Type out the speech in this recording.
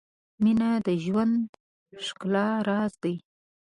• مینه د ژوند ښکلی راز دی.